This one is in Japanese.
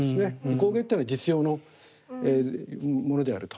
工芸っていうのは実用のものであると。